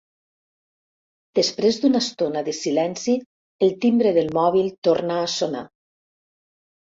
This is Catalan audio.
Després d'una estona de silenci el timbre del mòbil torna a sonar.